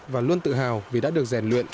và luôn tự hào vì đã được rèn luyện